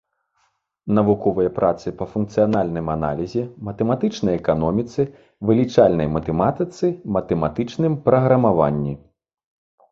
Навуковыя працы па функцыянальным аналізе, матэматычнай эканоміцы, вылічальнай матэматыцы, матэматычным праграмаванні.